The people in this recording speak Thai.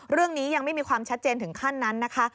เรื่องนี้ยังไม่มีความชัดเจนถึงขั้นนั้นนะคะ